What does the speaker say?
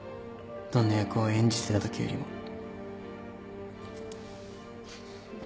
どんな役を演じてたときよりも